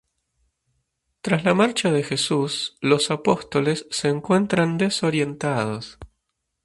Tras la marcha de Jesús, los apóstoles se encuentran desorientados.